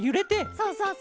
そうそうそう。